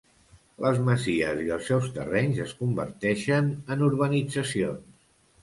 Les masies i els seus terrenys es converteixen en urbanitzacions.